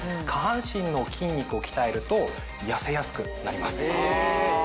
下半身の筋肉を鍛えると痩せやすくなります。